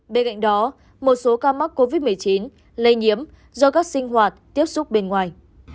bên cạnh đó một số ca mắc covid một mươi chín lây nhiễm do các sinh hoạt tiếp xúc bên ngoài